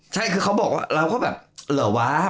ใช่คือเขาบอกว่าเราก็แบบเหรอวะ